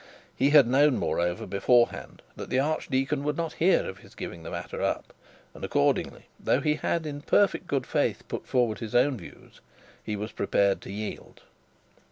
He had known, moreover, beforehand, that the archdeacon would not hear of his giving the matter up, and accordingly though he had in perfect good faith put forward his own views, he was prepared to yield.